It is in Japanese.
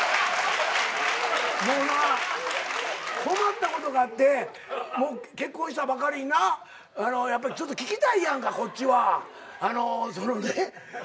もうな困ったことがあって結婚したばかりになやっぱり聞きたいやんかこっちはそのね。